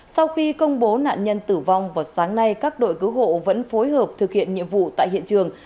sau khi công bố nạn nhân tử vong vào sáng nay các đội cứu hộ vẫn phối hợp thực hiện nhiệm vụ tại hiện trường